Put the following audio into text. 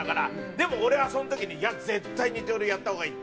でも俺はその時に「いや絶対二刀流やった方がいい」。